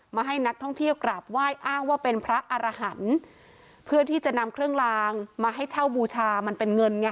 มาให้นักท่องเที่ยวกราบไหว้อ้างว่าเป็นพระอารหันต์เพื่อที่จะนำเครื่องลางมาให้เช่าบูชามันเป็นเงินไง